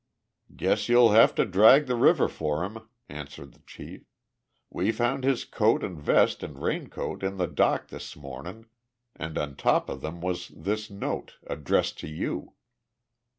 "Guess you'll have to drag the river for him," answered the chief. "We found his coat and vest and raincoat on the dock this mornin', and on top of them was this note, addressed to you."